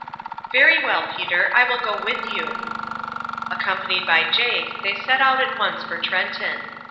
"Very well, Peter, I will go with you." Accompanied by Jake they set out at once for Trenton.